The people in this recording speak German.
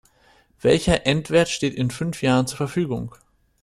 Welcher Endwert steht in fünf Jahren zur Verfügung?